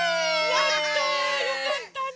やったよかったね！